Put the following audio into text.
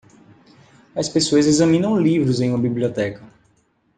As pessoas examinam livros em uma biblioteca.